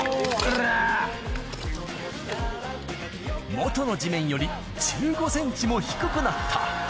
元の地面より１５センチも低くなった。